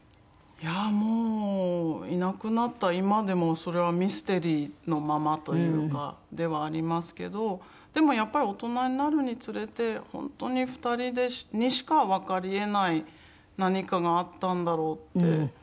いやあもういなくなった今でもそれはミステリーのままというかではありますけどでもやっぱり大人になるにつれて本当に２人にしかわかり得ない何かがあったんだろうって。